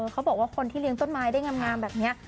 เขาบอกว่าคนที่เลี้ยงต้นไม้ได้งามแบบนี้